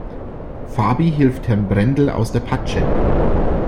Fabi hilft Herrn Brendel aus der Patsche.